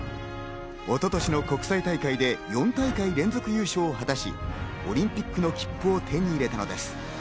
一昨年の国際大会で４大会連続優勝を果たし、オリンピックの切符を手に入れたのです。